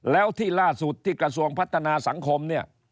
แล้วที่ล่าสุดที่กระทรวงพัฒนาสังคมเนี่ย